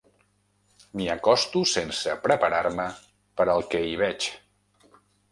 M'hi acosto sense preparar-me per al que hi veig.